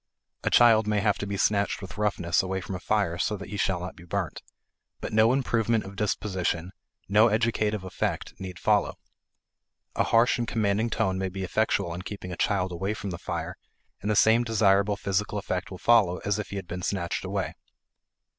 A child may have to be snatched with roughness away from a fire so that he shall not be burnt. But no improvement of disposition, no educative effect, need follow. A harsh and commanding tone may be effectual in keeping a child away from the fire, and the same desirable physical effect will follow as if he had been snatched away.